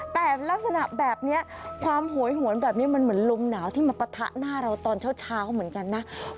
แต่ลักษณะแบบนี้ความโหยหวนแบบนี้มันเหมือนลมหนาวที่มาปะทะหน้าเราตอนเช้าเหมือนกันนะ